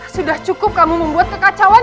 sudah cukup kamu membuat kekacauan